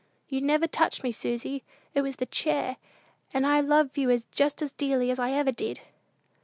"You never touched me, Susy! It was the chair; and I love you just as dearly as ever I did."